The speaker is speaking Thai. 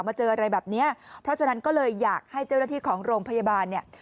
เจออะไรแบบเนี้ยเพราะฉะนั้นก็เลยอยากให้เจ้าหน้าที่ของโรงพยาบาลเนี่ย